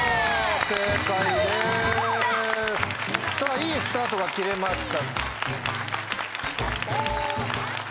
いいスタートが切れました！